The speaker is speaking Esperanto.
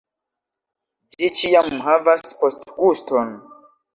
Ĝi ĉiam havas postguston